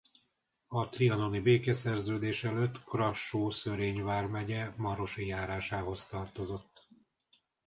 A trianoni békeszerződés előtt Krassó-Szörény vármegye Marosi járásához tartozott.